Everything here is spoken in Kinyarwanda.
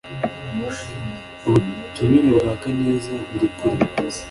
ubutumire bwa kaneza buri kure